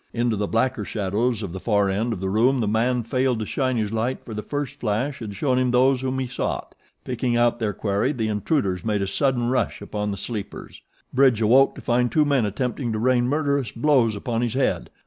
Into the blacker shadows of the far end of the room the man failed to shine his light for the first flash had shown him those whom he sought. Picking out their quarry the intruders made a sudden rush upon the sleepers. Bridge awoke to find two men attempting to rain murderous blows upon his head.